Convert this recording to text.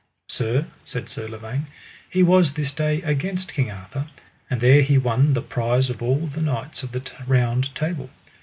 Sir, said Sir Lavaine, he was this day against King Arthur, and there he won the prize of all the knights of the Round Table.